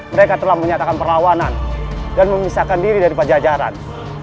mereka telah menyatakan perlawanan dan memisahkan diri dari pajajaran